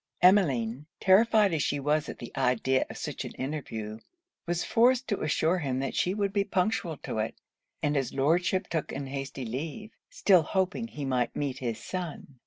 Emmeline, terrified as she was at the idea of such an interview, was forced to assure him she would be punctual to it; and his Lordship took an hasty leave, still hoping he might meet his son.